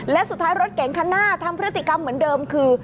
และสุดท้ายรถเก๋งคันหน้าทำพฤติกรรมเหมือนเดิมคือ